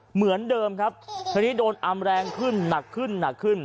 เหมือนเดิมครับทีนี้โดนอำแรงขึ้นหนักขึ้นหนักขึ้น